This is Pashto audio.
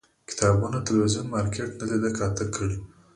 کتابتون، تلویزون، مارکيټ نه لیده کاته کړي